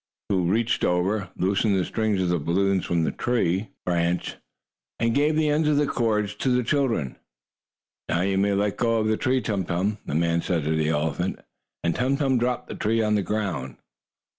He reached over, loosed the strings of the balloons from the tree branch, and gave the ends of the cords to the children. "Now you may let go of the tree, Tum Tum," the man said to the elephant, and Tum Tum dropped the tree on the ground.